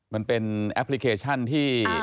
มันเป็นแอปพลิเคชันที่